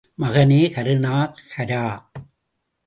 ..... மகனே!.. கருணாகரா.